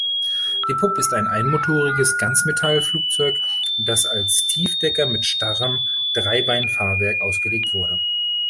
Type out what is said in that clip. Die Pup ist ein einmotoriges Ganzmetallflugzeug, das als Tiefdecker mit starrem Dreibeinfahrwerk ausgelegt wurde.